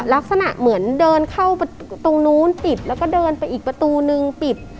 ลักษณะเหมือนเดินเข้าตรงนู้นปิดแล้วก็เดินไปอีกประตูนึงปิด